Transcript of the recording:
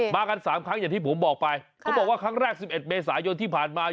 กัน๓ครั้งอย่างที่ผมบอกไปเขาบอกว่าครั้งแรก๑๑เมษายนที่ผ่านมา